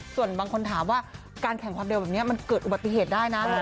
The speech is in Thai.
ส่วนบางคนถามว่าการแข่งความเร็วแบบนี้มันเกิดอุบัติเหตุได้นะ